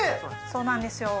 そうなんです